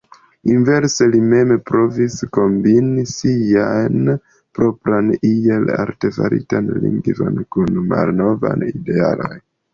Inverse li mem provis kombini sian propran iel artefaritan lingvon kun malnovaj idealoj.